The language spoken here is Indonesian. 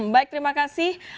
baik terima kasih